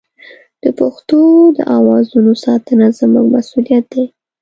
د پښتو د اوازونو ساتنه زموږ مسوولیت دی.